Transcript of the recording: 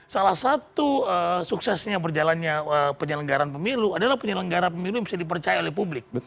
salah satu suksesnya berjalannya penyelenggaran pemilu adalah penyelenggara pemilu yang bisa dipercaya oleh publik